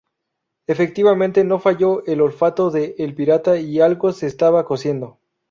Efectivamente, no falló el olfato de El Pirata, y algo se estaba cociendo.